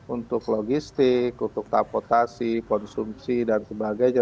untuk logistik untuk tapotasi konsumsi dan sebagainya